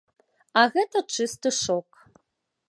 А гэта чысты шок.